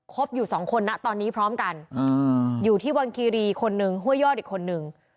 อยู่สองคนนะตอนนี้พร้อมกันอยู่ที่วังคีรีคนหนึ่งห้วยยอดอีกคนนึง